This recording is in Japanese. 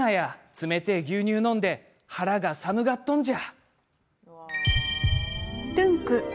冷てえ牛乳飲んで腹が寒がっとんじゃ！